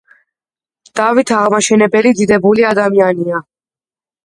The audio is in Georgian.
დავით აღმაშენებელი დიდებული ადამიანია